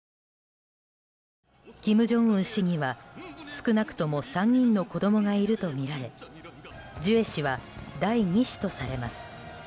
金正恩氏には、少なくとも３人の子供がいるとみられジュエ氏は第２子とされます。